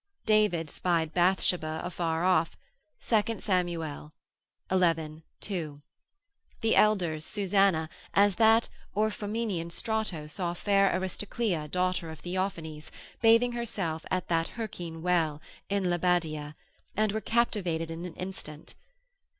David spied Bathsheba afar off, 2 Sam. xi. 2. The Elders, Susanna, as that Orthomenian Strato saw fair Aristoclea daughter of Theophanes, bathing herself at that Hercyne well in Lebadea, and were captivated in an instant.